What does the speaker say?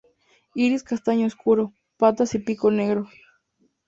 Iris castaño oscuro; patas y pico negros.